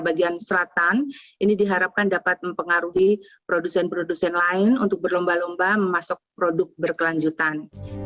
bagian selatan ini diharapkan dapat mempengaruhi produsen produsen lain untuk berlomba lomba memasuk produk berkelanjutan